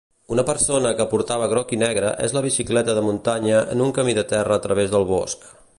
Una persona que portava groc i negre és la bicicleta de muntanya en un camí de terra a través del bosc.